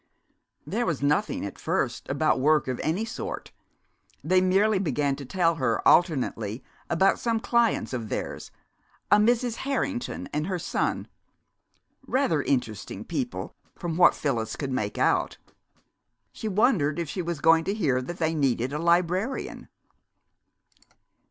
There was nothing, at first, about work of any sort. They merely began to tell her alternately about some clients of theirs, a Mrs. Harrington and her son: rather interesting people, from what Phyllis could make out. She wondered if she was going to hear that they needed a librarian.